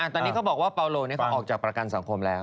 ตอนนี้เขาบอกว่าเปาโลเขาออกจากประกันสังคมแล้ว